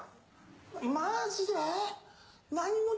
マジで？